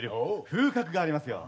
風格がありますよ。